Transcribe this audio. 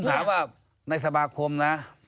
ถามว่าในสมาคมนะ